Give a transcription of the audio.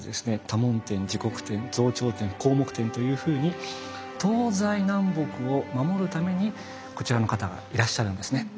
多聞天持国天増長天広目天というふうに東西南北を守るためにこちらの方がいらっしゃるんですね。